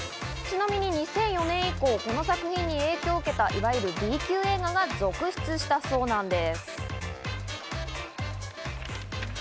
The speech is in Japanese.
ちなみに２００４年以降、この作品に影響を受けた、いわゆるＢ級映画が続出したそうなんです。